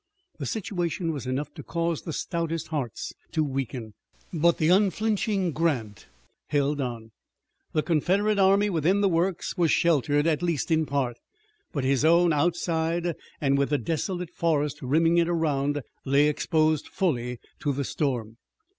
The situation was enough to cause the stoutest heart to weaken, but the unflinching Grant held on. The Confederate army within the works was sheltered at least in part, but his own, outside, and with the desolate forest rimming it around, lay exposed fully to the storm.